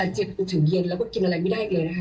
ถึงเย็นแล้วก็กินอะไรไม่ได้อีกเลยนะคะ